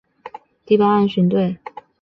第八岸巡队